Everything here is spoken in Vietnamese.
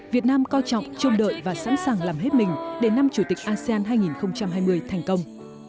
việt nam coi trọng chôm đợi và sẵn sàng làm hết mình để năm chủ tịch asean hai nghìn hai mươi thành công